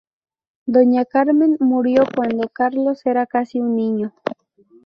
Doña Carmen murió cuando Carlos era casi un niño.